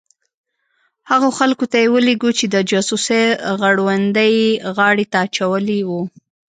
هغو خلکو ته یې ولېږو چې د جاسوسۍ غړوندی یې غاړې ته اچولي وو.